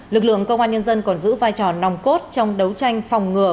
lực lượng công an nhân dân còn giữ vai trò nòng cốt trong đấu tranh phòng ngừa